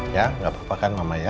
ya nggak apa apa kan mama ya